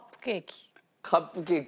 カップケーキ。